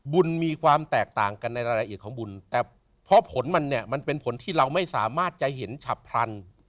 มีความแตกต่างกันในรายละเอียดของบุญแต่เพราะผลมันเนี่ยมันเป็นผลที่เราไม่สามารถจะเห็นฉับพลัน